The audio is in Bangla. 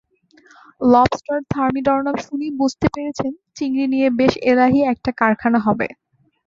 লবস্টার থার্মিডরনাম শুনেই বুঝতে পেরেছেন চিংড়ি নিয়ে বেশ এলাহি একটা কাণ্ড-কারখানা হবে।